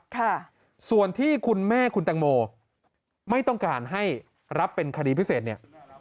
ค่ะส่วนที่คุณแม่คุณแตงโมไม่ต้องการให้รับเป็นคดีพิเศษเนี่ย